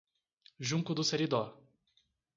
Junco do Seridó